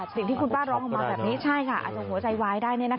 สิ่งที่คุณป้าร้องออกมาแบบนี้ใช่ค่ะอาจจะหัวใจวายได้